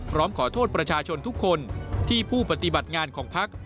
พร้อมขอโทษประชาชนทุกคนที่ผู้ปฏิบัติงานของพัก